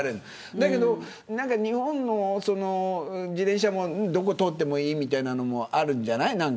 だけど、日本の自転車はどこ通ってもいいみたいなのもあるじゃない。